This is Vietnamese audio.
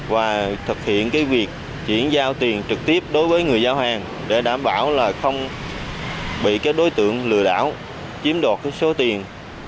và thực hiện việc chuyển giao tiền trực tiếp đối với người giao hàng để đảm bảo là không bị các đối tượng lừa đảo chiếm đoạt số tiền